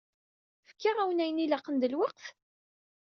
Fkiɣ-awen ayen ilaqen d lweqt?